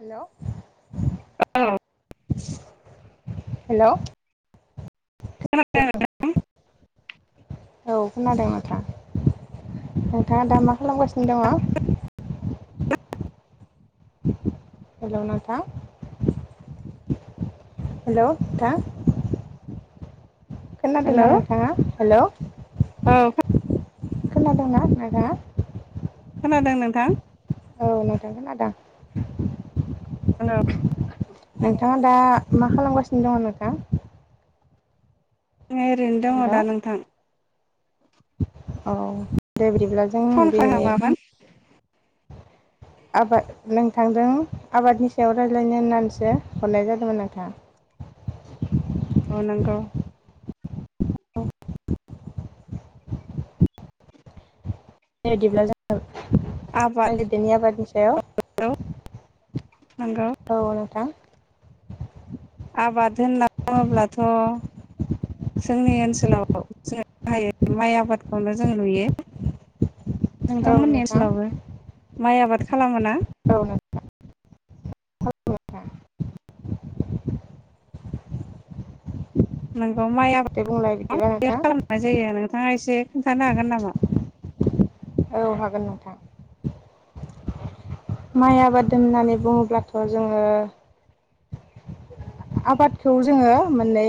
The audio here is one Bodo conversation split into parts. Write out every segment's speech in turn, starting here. हेल' औ हेलौ खोनादों [unintelligible] औ खोनादों नोंथां नोंथाङा दा मा खालामगासिनो दङ हेलौ नोंथां हेलौ नोंथा खोनादों हेलौ ना नोंथाङा हेलौ औ खोनादोंना नोंथाङा खोनादों नोंथां औ नोंथां खोनादों हेलौ नोंथाङा दा मा खालामगासिनो दङ नोंथां आं ओरैनो दङ हेल' दा नोंथां औ दे बिदिब्लाजों फन दिनि खालामामोन आबाद नोंथांजों आबादनि सायाव रायज्लायनो होननानैसो हरनाय जादोंमोन नोंथां औ नांगौ बेबायदिब्ला ज आबाद [unintelligible] आबादनि सायाव औ नंगौ औ नोंथां आबाद होनना बुङोब्लाथ जोंनि ओनसोलाव जोङ बाहायो माइ आबादखौनो जों नुयो औ नोंथांमोननि नोंथां ओनसोलावबो माइ आबाद खालामो ना औ नोंथां नोंथां नों बे माइ दे आबाद बुंलाय बिदिबा नोंथां खालामनाय जायो नोंथाङा एसे खोन्थानो हागोन नामा औ हागोन नोंथां माइ आबादोन होननानै बुङोब्लाथ जोङो आबादखौ जोङो माननै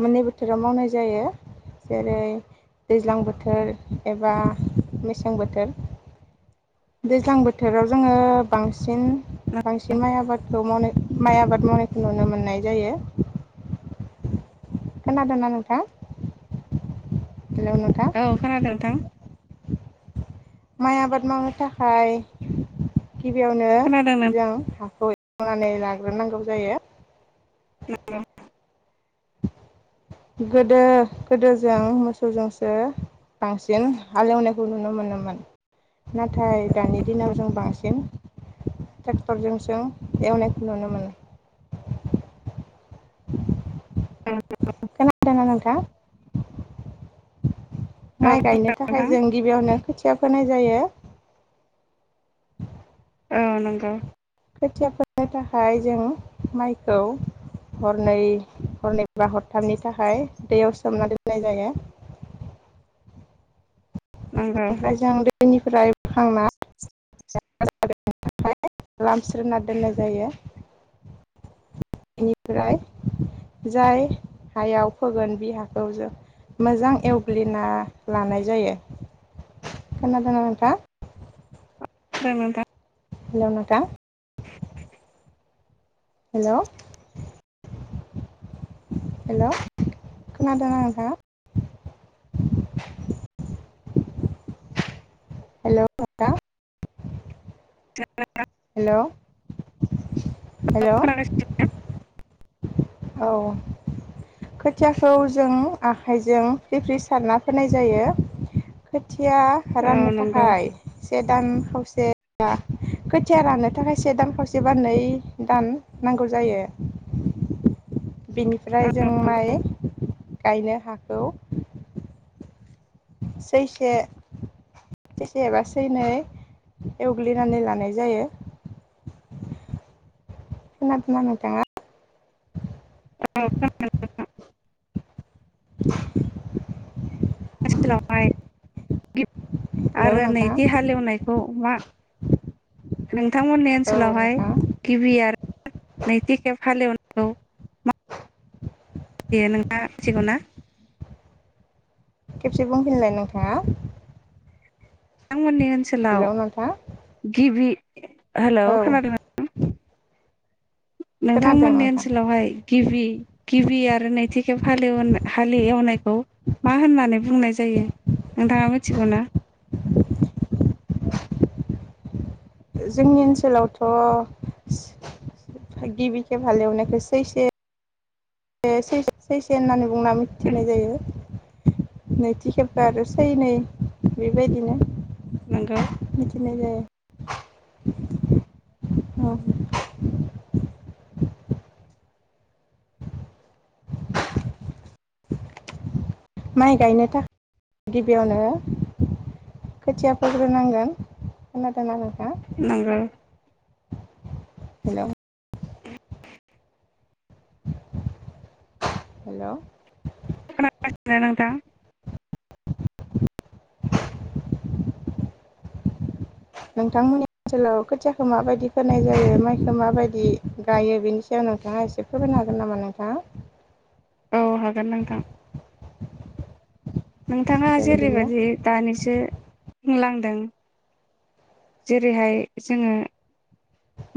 मोननै बोथोराव मावनाय जायो जेरै दैज्लां बोथोर एबा मेसें बोथोर दैज्लां बोथोराव जोङो बांसिन बांसिन माइ आबादखौ मावनाय माइ आबाद मावनायखौ नुनो मोननाय जायो खोनादो ना नोंथां हेलौ नोंथां औ खोनादों नोंथां माइ आबाद मावनो थाखाय गिबियावनो खोनादों नोंथां जों हाखौ मावनानै लाग्रोनांगौ जायो औ गोदो गोदोजों मोसौजोंसो बांसिन हालेवनायखौ नुनो मोनोमोन नाथाय दानि दिनाव जों बांसिन ट्रेक्टरजोंसों एवनायखौ नुनो मोनो खोनादोंना नोंथां औ माइ गायनो खोनादों थाखाय नोंथां जों गिबियावनो खोथि खोथिया फोनाय जायो औ नंगौ खोथियाफोरनो थाखाय जों माइखौ हरनै हरनै बा हरथामनि थाखाय दैयाव सोमना दोननाय जायो नंगौ ओमफ्राय जों दै बेनिफ्राय बोखांना [unintelligible] लामस्रोनना दोननाय जायो बेनिफ्राय जाय हायाव फोगोन बि हाखौ जों मोजां एवग्लिना लानाय जायो खोनादों ना नोंथां खोनादों नोंथां हेलौ नोंथां हेलौ हेलौ खोनादों ना नोंथाङा हेलौ नोंथां हेलौ हेलौ औ खोथियाखौ जों आखाइजों फ्रि फ्रि सारना फोनाय जायो खोथिया औ राननो नंगौ थाखाय से दान खावसे बा खोथिया रानो थाखाय से दान खावसे बा नै दान नांगौ जायो [unintelligible] बेनिफ्राय जों माइ गायनो हागौ सैसे एबा सैनै एवग्लिनानै लानाय जायो खोनादों ना नोंथाङा औ खोनादों नोंथां [unintelligible] आथिखालावहाय गिबि हेलौ आरो नोंथाङा नैथि हालेवनायखौ मा [unintelligible] नोंथमोननि औ ओनसोलावहाय नोंथाङा गिबि आरो नैथि खेब हालेवनायाव दे नोंथाङा मिथिग ना खेबसे बुंफिनलाय नोंथाङा बिथांमोननि ओनसोलाव हेलौ नोंथाङा गिबि [unintelligible] हेलौ औ खोनादोंना खोनादों नोंथांमोननि नोंथां ओनसोलावहाय गिबि गिबि आरो नैथि खेब हालेव हालि एवनायखौ मा होननानै बुंनाय जायो नोंथाङा मिथिगौ ना जोंनि ओनसोलावथ गिबि खेब हालेवनायखौ सैसे बे सै सैसे होननानै बुंना मिथिनाय जायो नैथि खेबखो आरो सैनै बेबायदिनो नंगौ मिथिनाय जायो औ माइ गायनो थाखाय गिबियावनो खोथिया फोग्रोनांगोन खोनादोंना नों नंगौ हेलो हेल खोनासिनो नोंथां नोंथांमोननि ओनसोलाव खोथियाखौ माबायदि फोनाय जायो माइखौ माबायदि गायो बेनि सायाव नोंथाङा एसे फोरमायनो हागोन नामा नोंथाङा औ हागोन नोंथां नोंथाङा दे बिदिब्ला जेरैबायदि दानिसो बुंलांदों जेरैहाय जोङो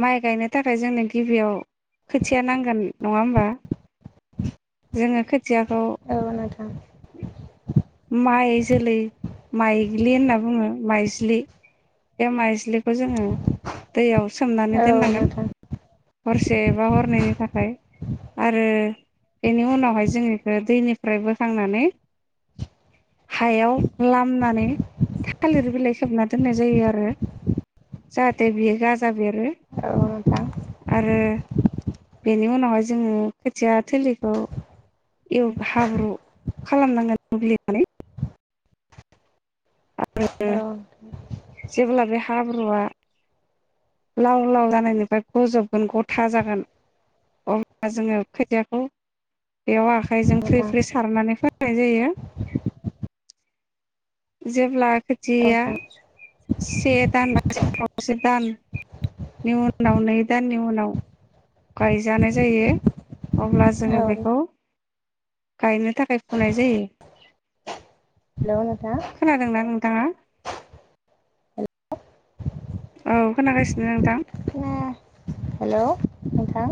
माइ गायनो थाखाय जोंनो गिबियाव खोथिया नांगोन नङा होमबा जोङो खो औ नोंथां माइ जोलै माइग्लि होनना बुङो माइज्लि बे माइज्लिखौ जोङो दैयाव सोमनानै औ दोननांगोन नोंथां हरसे बा हरनैनि थाखाय आरो बेनि उनावहाय जों बेखौ दैनिफ्राय बोखांनानै हायाव लामनानै थालिर बिलाइ खोबना दोननाय जायो आरो जाहाथे बियो गाजा बेरो औ नोंथां आरो बेनि उनावहाय जोंङो खोथिया थोलिखौ एव हाब्रु खालामनांगोन। [unintelligible] औ [unintelligible] जेब्ला बे हाब्रुआ लाव लाव जानायनिफ्राय गजबगोन गथा जागोन अब्ला जोंङो खोथियाखौ बेयाव आख खाय जों फ्रि नोंथां फ्रि सारनानै फोनाय जायो। जेब्ला खोथियाया औ से दान [unintelligible] दान उनाव नै दाननि उनाव गायजानाय जायो। अब्ला नोंथां जोंङो औ बेखौ गायनो थाखाय फुनाय जायो। लौ नोंथां खोनादों ना नोंथांङा? औ खोनागासिनो नोंथां। हेलौ नोंथां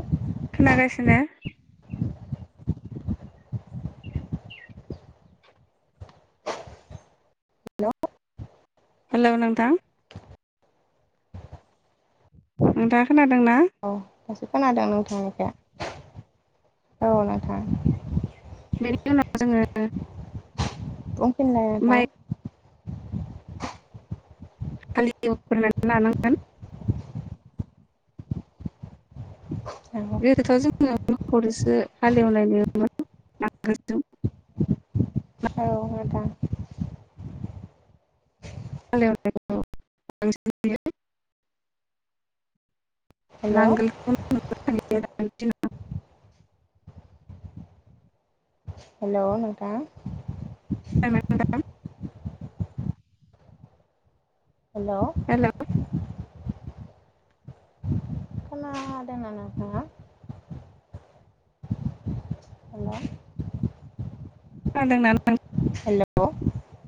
खोनागासिनो। हेलौ हेलौ नोंथां नोंथाङा खोना दों ना? औ दासो खोनादों नोंथांनिखौ औ नोंथां बेनि उनाव जोंङो [unintelligible] फोनलाय नोथां [inaudible] [unintelligible] लानांगोन औ बे [unintelligible] [unintelligible] नांगोल जों औ मेदा [unintelligible] नांगोलखौ हेलौ [unintelligible] [unintelligible] [inaudible] हेलौ नोंथां हेलौ हेल' खोनादोंना नोंथांङा? हेलौ खोनादोंना हेल औ